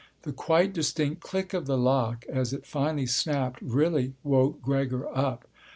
The quite distinct click of the lock as it finally snapped really woke Gregor up.